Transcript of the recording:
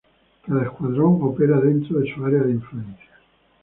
Cada escuadrón opera dentro de su área de influencia.